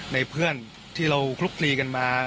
เพื่อนที่เราคลุกคลีกันมา